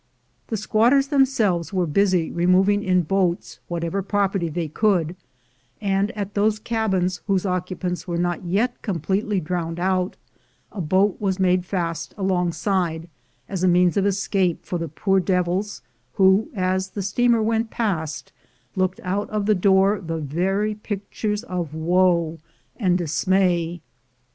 The squatters themselves were busy removing in boats whatever property they could, and at those cabins whose occupants were not yet completely drowned out, a boat was made fast along side as a means of escape for the poor devils, who, as the steamer went past, looked out of the door the very pictures of woe and dismay.